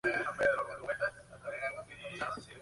Se encuentra en el mar de Ojotsk y la costa pacífica de Japón.